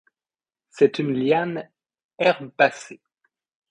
C'est une liane herbacée.